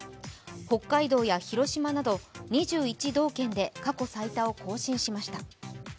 北海道や広島など２１道県で過去最多を更新しました。